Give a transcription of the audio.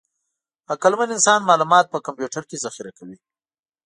عقلمن انسان معلومات په کمپیوټر کې ذخیره کوي.